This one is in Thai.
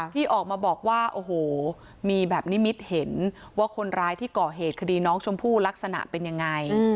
ที่ออกมาบอกว่าโอ้โหมีแบบนิมิตเห็นว่าคนร้ายที่ก่อเหตุคดีน้องชมพู่ลักษณะเป็นยังไง